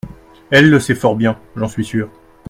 Elle le sait fort bien, j’en suis sure.